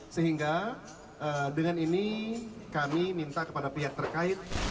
sehingga dengan ini kami minta kepada pihak terkait